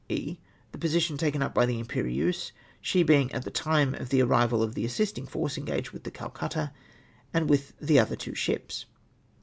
E. The position taken up by the Impe'rieuse, she being at the time of the arrival of the assisting force engaged with the Calcutta, and with the other two ships.